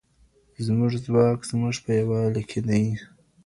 زموږ ځواک زموږ په یووالي کي دی.